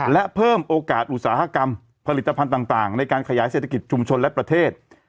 และเพิ่มโอกาสอุตสาหกรรมผลิตภัณฑ์ต่างในการขยายเศรษฐกิจชุมชนและประเทศ